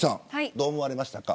どう思われましたか。